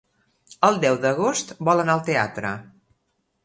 El deu d'agost vol anar al teatre.